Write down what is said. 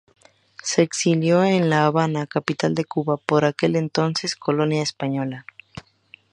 Se exilió en La Habana, capital de Cuba, por aquel entonces, colonia española.